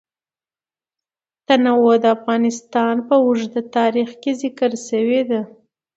تنوع د افغانستان په اوږده تاریخ کې ذکر شوی دی.